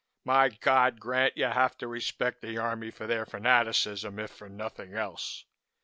My God! Grant, you have to respect the Army for their fanaticism, if for nothing else.